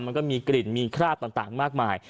มันก็มีกลิ่นมีคราบต่างมากมาย